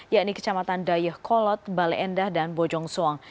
yakni kecamatan dayeh kolot bale endah dan bojong soang